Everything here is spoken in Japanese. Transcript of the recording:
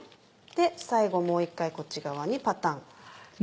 最後もう一回こっち側にパタン。